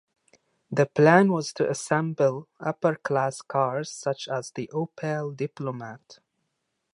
The plan was to assemble upper class cars such as the Opel Diplomat.